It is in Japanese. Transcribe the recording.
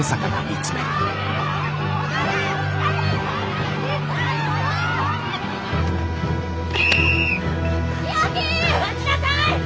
待ちなさい！